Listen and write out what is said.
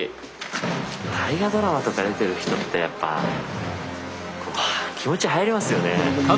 大河ドラマとか出てる人ってやっぱ気持ち入りますよね。